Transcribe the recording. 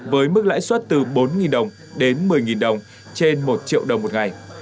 với mức lãi suất từ bốn đồng đến một mươi đồng trên một triệu đồng một ngày